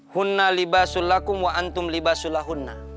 hunna libasullakum wa antum libasullahunna